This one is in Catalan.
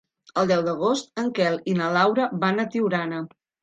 El deu d'agost en Quel i na Laura van a Tiurana.